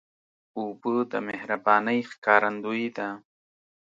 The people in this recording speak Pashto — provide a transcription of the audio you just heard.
اوبه د مهربانۍ ښکارندویي ده.